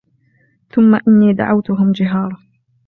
ثُمَّ إِنِّي دَعَوْتُهُمْ جِهَارًا